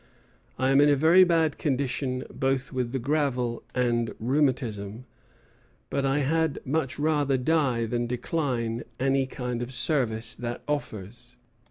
I am in a very bad condition both with the gravel and rheumatism; but I had much rather die than decline any kind of service that offers.